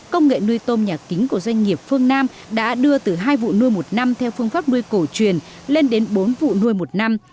công nghệ nuôi tôm nhà kính của doanh nghiệp phương nam đã đưa từ hai vụ nuôi một năm theo phương pháp nuôi cổ truyền lên đến bốn vụ nuôi một năm